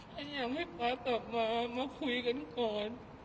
พยายามให้ป๊ากลับมามาคุยกันก่อน